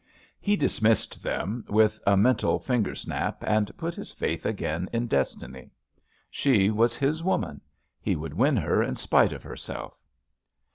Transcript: He dismissed them with a mental finger snap, and put his faith again in destiny. She was his woman. He would win her in spite of herself.